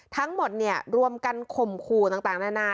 ทั้งหมดรวมกันข่มครูต่างนานา